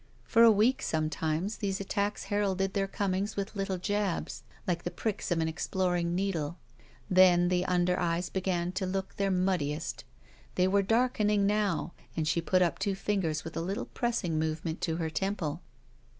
For a week, sometimes, these attacks heralded their comings with little jabs, like the pricks of an exploring needle. Then the under eyes b^;an to look their muddiest. They were darkening now and she put up two fingers with a little pressing move ment to her temple.